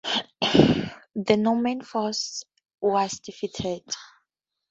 The Norman force was defeated.